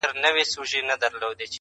درد کور ټول اغېزمن کوي تل,